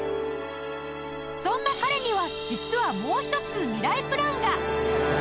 そんな彼には実はもう一つミライプランが！